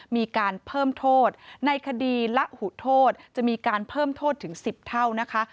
มีการเพิ่มโทษในคดีละหุโทษจะมีการเพิ่มโทษถึง๑๐เท่านะคะ